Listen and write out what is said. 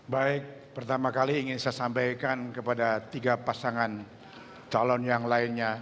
baik pertama kali ingin saya sampaikan kepada tiga pasangan calon yang lainnya